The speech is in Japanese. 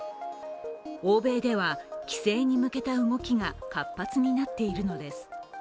欧米では規制に向けた動きが活発になっているのです。